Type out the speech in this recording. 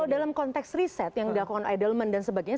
kalau dalam konteks riset yang diakukan eidelman dan sebagainya